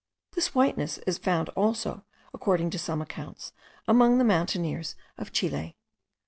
This whiteness is found also, according to some accounts, among the mountaineers of Chile.